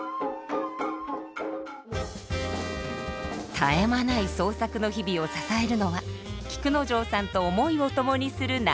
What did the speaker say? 絶え間ない創作の日々を支えるのは菊之丞さんと思いを共にする仲間たち。